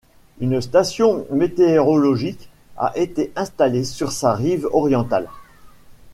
Une station météorologique a été installée sur sa rive orientale.